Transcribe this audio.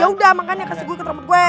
yaudah makanya kasih gue keteramput gue